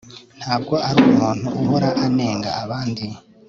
ntabwo ari umuntu uhora anenga abandi